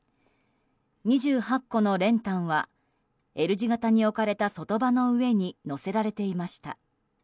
２８個の練炭はＬ字形に置かれた卒塔婆の上に載せられていました。